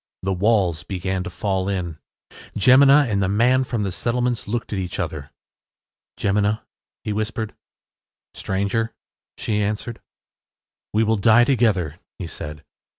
The walls began to fall in. Jemina and the man from the settlements looked at each other. “Jemina,” he whispered. “Stranger,” she answered. “We will die together,” he said.